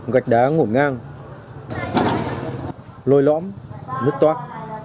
gạch đá ngủ ngang lôi lõm nước toát